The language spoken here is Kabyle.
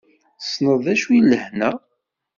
Tessneḍ d acu d lehna?